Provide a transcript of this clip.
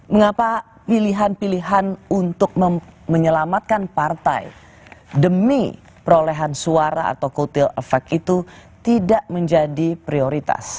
mengapa pilihan pilihan untuk menyelamatkan partai demi perolehan suara atau kutil efek itu tidak menjadi prioritas